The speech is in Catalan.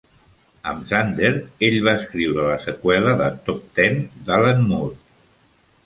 Amb Zander, ell va escriure la seqüela de "Top Ten" d'Alan Moore.